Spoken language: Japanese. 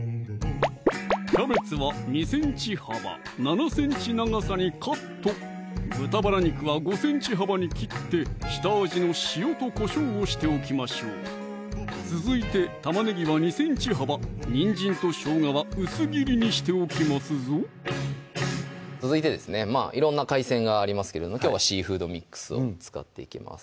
キャベツは２ｃｍ幅７ｃｍ長さにカット豚バラ肉は５ｃｍ幅に切って下味の塩とこしょうをしておきましょう続いて玉ねぎは２ｃｍ幅にんじんとしょうがは薄切りにしておきますぞ続いてですね色んな海鮮がありますけれどもきょうはシーフードミックスを使っていきます